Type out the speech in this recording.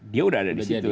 dia udah ada di situ